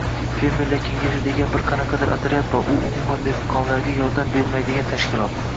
Fermerlar kengashi degan bir qanaqadir otryad bor, u umuman dehqonga yordam bermaydigan tashkilot.